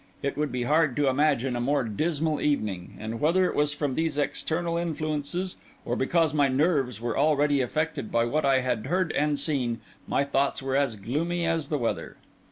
It would be hard to imagine a more dismal evening; and whether it was from these external influences, or because my nerves were already affected by what I had heard and seen, my thoughts were as gloomy as the weather.